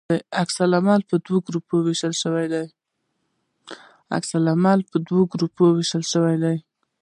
عکس العمل په دوه ګروپونو ویشل کیږي.